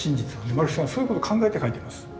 丸木さんはそういうことを考えて描いてます。